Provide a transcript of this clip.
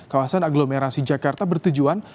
kawasan agglomerasi jakarta bertujuan